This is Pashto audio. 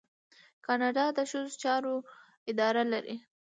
کاناډا د ښځو چارو اداره لري.